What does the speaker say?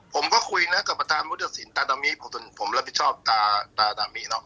ผมก็คุยนะกับประธานุตสินตาดามิผมรับผิดชอบตาตามีเนอะ